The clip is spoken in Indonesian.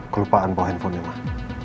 kelupaan bawa handphonenya mas